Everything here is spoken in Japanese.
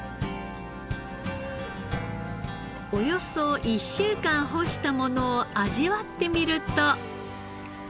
およそ１週間干したものを味わってみると。